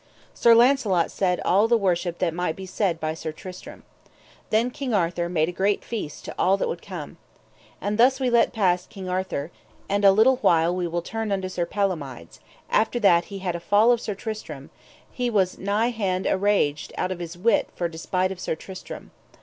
Sir Launcelot said all the worship that might be said by Sir Tristram. Then King Arthur made a great feast to all that would come. And thus we let pass King Arthur, and a little we will turn unto Sir Palomides, that after he had a fall of Sir Tristram, he was nigh hand araged out of his wit for despite of Sir Tristram.